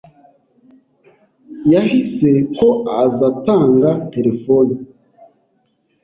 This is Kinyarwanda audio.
yahize ko azatanga telefoni